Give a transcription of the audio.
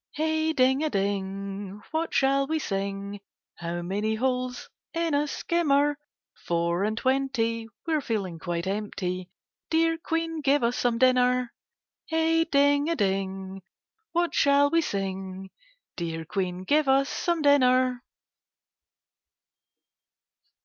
Hey ding a ding, what shall we sing ? How many holes in a skimmer ? Four and twenty, — we're feeling quite empty ; Dear Queen, give us some dinner. Hey ding a ding, what shall we sing? Dear Queen, give us some dinner.